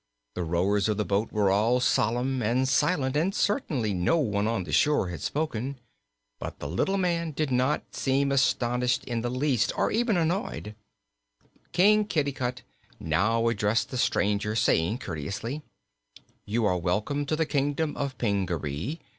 The rowers of the boat were all solemn and silent and certainly no one on the shore had spoken. But the little man did not seem astonished in the least, or even annoyed. King Kitticut now addressed the stranger, saying courteously: "You are welcome to the Kingdom of Pingaree.